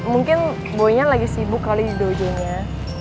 mungkin boynya lagi sibuk kali di dojo nya